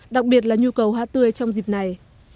đặc biệt là nhu cầu hoa tươi trong dịp này